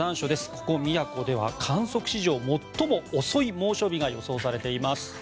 ここ、宮古では観測史上最も遅い猛暑日が予想されています。